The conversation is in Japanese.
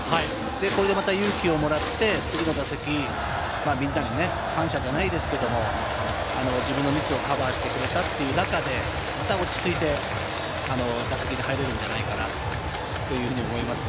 これでまた勇気をもらって、次の打席、みんなに感謝じゃないですけれど、自分のミスをカバーしてくれたという中で、また落ち着いて打席に入れるんじゃないかなというふうに思います。